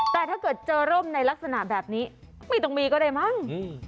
แต่ถ้าเกิดเจอร่มในลักษณะแบบนี้ไม่ต้องมีก็ได้มั้ง